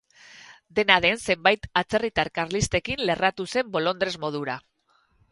Dena den zenbait atzerritar karlistekin lerratu zen bolondres modura.